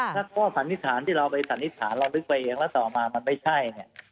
ถ้าข้อสันนิษฐานที่เราไปสันนิษฐานเรานึกไปเองแล้วต่อมามันไม่ใช่เนี่ย